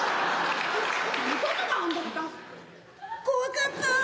怖かった。